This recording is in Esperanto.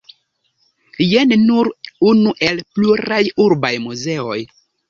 Jen nur unu el pluraj urbaj muzeoj.